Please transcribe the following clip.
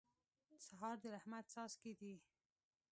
سهار د رحمت څاڅکي دي.